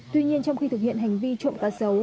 tuy nhiên trong khi thực hiện hành vi trộm cá sấu